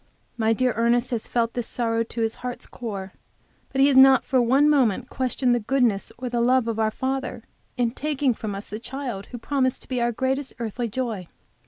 My dear Ernest has felt this sorrow to his heart's core. But he has not for one moment questioned the goodness or the love of our Father in thus taking from us the child who promised to be our greatest earthly joy.